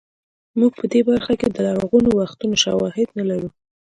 موږ په دې برخه کې د لرغونو وختونو شواهد نه لرو